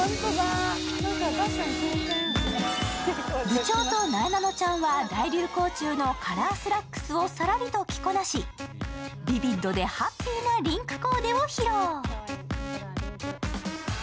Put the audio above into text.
部長となえなのちゃんは大流行中のカラースラックスをさらりと着こなし、ビビッドでハッピーなリンクコーデを披露。